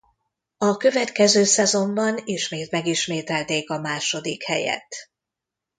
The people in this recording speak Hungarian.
A következő szezonban ismét megismételték a második helyet.